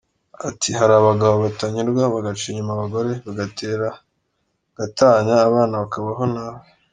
Ati “Hari abagabo batanyurwa bagaca inyuma abagore bigatera gatanya, abana bakabaho nabi.